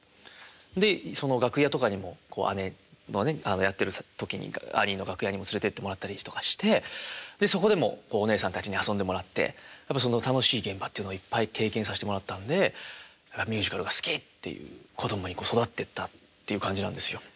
でその楽屋とかにも姉のやってる時に「アニー」の楽屋にも連れてってもらったりとかしてそこでもおねえさんたちに遊んでもらってやっぱ楽しい現場っていうのをいっぱい経験させてもらったんで「ミュージカルが好き！」っていう子供に育ってったっていう感じなんですよ。